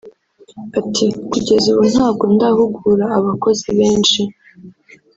Ati”Kugeza ubu ntabwo ndahugura abakozi benshi